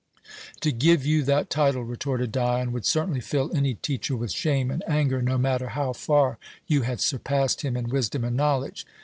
"To give you that title," retorted Dion, "would certainly fill any teacher with shame and anger, no matter how far you had surpassed him in wisdom and knowledge.